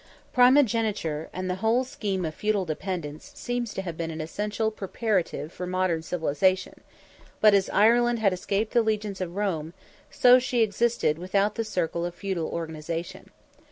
Primogeniture and the whole scheme of feudal dependence seems to have been an essential preparative for modern civilization: but as Ireland had escaped the legions of Rome, so she existed without the circle of feudal organization.